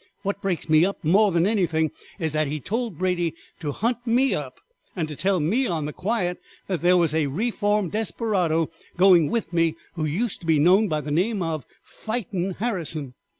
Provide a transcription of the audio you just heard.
What breaks me up more than anythin' is that he told Brady to hunt me up and tell me on the quiet that there was a reformed desperado going with me who used to be known by the name of 'Fightin' Harrison.'